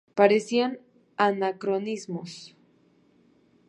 Parecían anacronismos.